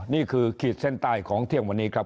ขีดเส้นใต้ของเที่ยงวันนี้ครับ